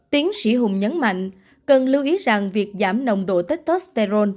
tiến sĩ hùng nhấn mạnh cần lưu ý rằng việc giảm nồng độ tiktosterol